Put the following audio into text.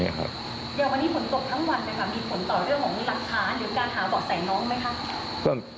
เดี๋ยววันนี้ผลตกทั้งวันไหมครับมีผลต่อเรื่องของหลักฐานหรือการหาบอดแสนน้องไหมครับ